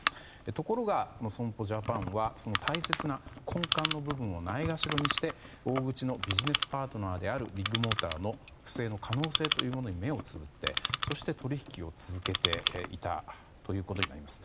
ところが、損保ジャパンはその大切な根幹の部分をないがしろにして大口のビジネスパートナーであるビッグモーターの不正の可能性というものに目をつぶってそして、取引を続けていたということになります。